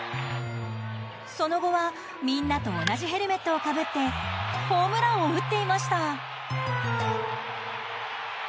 その後は、みんなと同じヘルメットをかぶってホームランを打っていました。